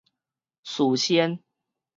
事先